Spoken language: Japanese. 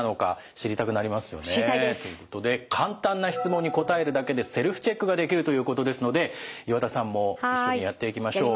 知りたいです。ということで簡単な質問に答えるだけでセルフチェックができるということですので岩田さんも一緒にやっていきましょう。